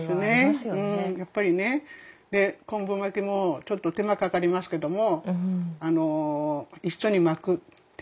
やっぱりね昆布巻きもちょっと手間かかりますけども。